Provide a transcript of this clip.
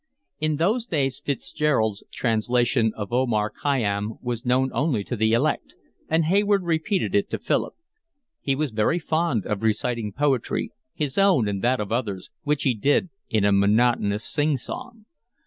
In those days Fitzgerald's translation of Omar Khayyam was known only to the elect, and Hayward repeated it to Philip. He was very fond of reciting poetry, his own and that of others, which he did in a monotonous sing song.